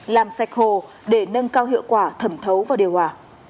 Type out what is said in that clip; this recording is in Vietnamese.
làm sạch hồ để nâng cao hiệu quả thẩm thấu và điều hòa